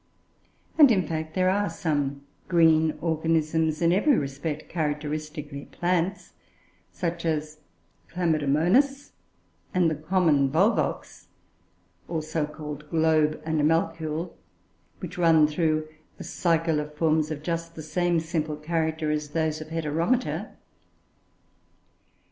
And, in fact, there are some green organisms, in every respect characteristically plants, such as Chlamydomonas, and the common Volvox, or so called "Globe animalcule," which run through a cycle of forms of just the same simple character as those of Heteromita.